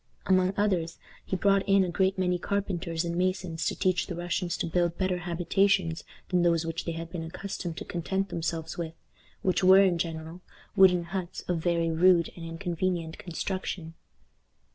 Among others, he brought in a great many carpenters and masons to teach the Russians to build better habitations than those which they had been accustomed to content themselves with, which were, in general, wooden huts of very rude and inconvenient construction.